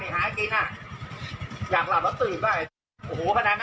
เนี้ยฮะไอ้กินอ่ะอยากหลับแล้วตื่นก็ไอ้โอ้โหพนักนั้นเลยหรอนี่